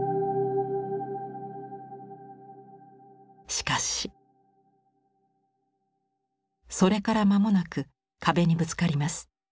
しかしそれから間もなく壁にぶつかります。